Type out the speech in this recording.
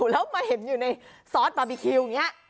แล้วมาเห็นอยู่ในซอสบาร์บีคิว